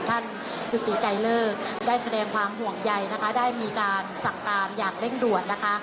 จุติไกรเลิกได้แสดงความห่วงใยนะคะได้มีการสั่งการอย่างเร่งด่วนนะคะ